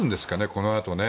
このあとね。